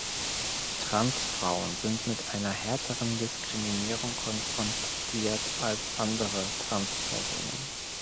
Trans Frauen sind mit einer härteren Diskriminierung konfrontiert als andere trans Personen.